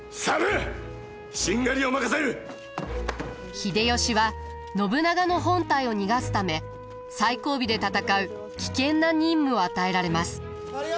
秀吉は信長の本隊を逃がすため最後尾で戦う危険な任務を与えられます。